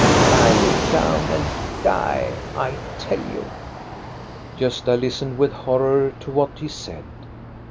Lie you down and die, I tell you !" Gosta listened with horror to what he said.